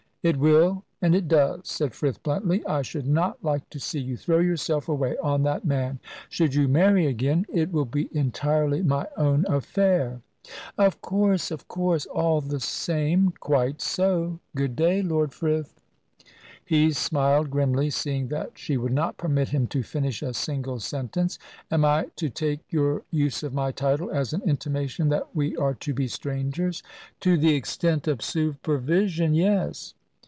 "It will and it does," said Frith, bluntly. "I should not like to see you throw yourself away on that man. Should you marry again " "It will be entirely my own affair." "Of course, of course. All the same " "Quite so! Good day, Lord Frith." He smiled grimly, seeing that she would not permit him to finish a single sentence. "Am I to take your use of my title as an intimation that we are to be strangers?" "To the extent of supervision, yes."